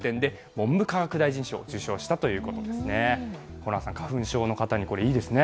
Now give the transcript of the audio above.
ホランさん、花粉症の方にこれいいですね？